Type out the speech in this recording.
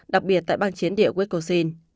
đặc biệt tại bang chiến địa wisconsin